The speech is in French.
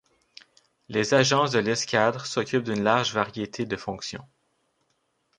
Les agences de l'escadre s'occupent d'une large variété de fonctions.